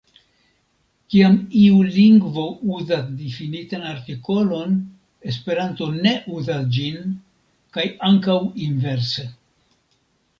Kiam iu lingvo uzas difinitan artikolon, Esperanto ne uzas ĝin, kaj ankaŭ inverse.